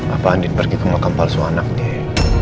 apa adin pergi ke makam palsu anak dia